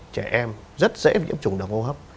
trẻ em rất dễ bị nhiễm trùng đường hô hấp